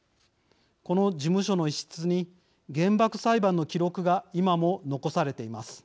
この事務所の一室に原爆裁判の記録が今も残されています。